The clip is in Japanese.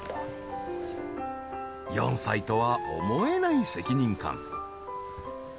４歳とは思えない責任感。